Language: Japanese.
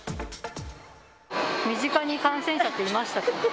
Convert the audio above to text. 身近に感染者っていましたか？